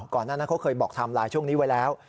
หน้านั้นเขาเคยบอกไทม์ไลน์ช่วงนี้ไว้แล้ว